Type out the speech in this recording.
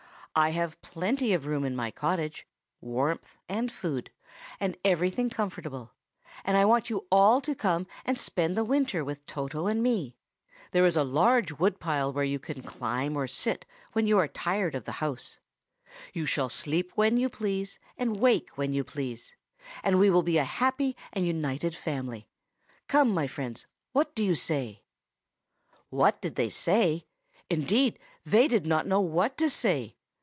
I have plenty of room in my cottage, warmth, and food, and everything comfortable; and I want you all to come and spend the winter with Toto and me. There is a large wood pile where you can climb or sit when you are tired of the house. You shall sleep when you please, and wake when you please; and we will be a happy and united family. Come, my friends, what do you say?" "Then the grandmother made a little speech." What did they say? Indeed, they did not know what to say.